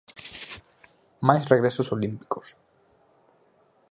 Máis regresos olímpicos.